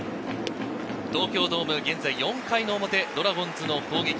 東京ドーム、現在４回表、ドラゴンズの攻撃。